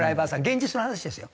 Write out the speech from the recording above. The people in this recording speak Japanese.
現実の話ですよ。